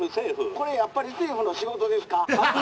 「これやっぱり政府の仕事ですか？」。